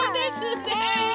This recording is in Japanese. ねえ！